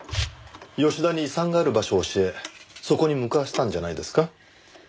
吉田に遺産がある場所を教えそこに向かわせたんじゃないですか？